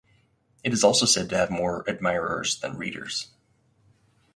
It is also said to have more admirers than readers.